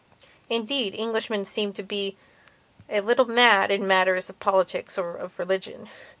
Indeed, Englishmen seem to me to be a little mad in matters of politics or of religion.